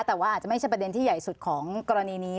แต่ว่าอาจจะไม่ใช่ประเด็นที่ใหญ่สุดของกรณีนี้